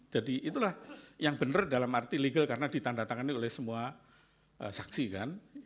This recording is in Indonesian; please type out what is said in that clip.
jadi itulah yang benar dalam arti legal karena ditandatangani oleh semua saksi kan